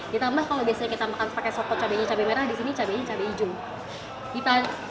ditambah kalau biasanya kita makan pakai soto cabainya cabai merah di sini cabainya cabai hijau